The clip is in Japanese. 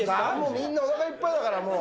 みんなおなかいっぱいだから。